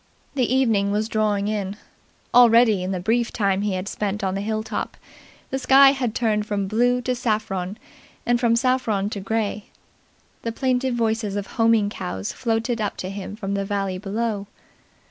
The evening was drawing in. Already, in the brief time he had spent on the hill top, the sky had turned from blue to saffron and from saffron to grey. The plaintive voices of homing cows floated up to him from the valley below.